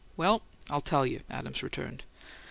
"Well, I'll tell you," Adams returned.